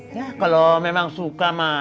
ya kalau memang suka mah